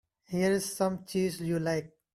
Here's some cheese you like.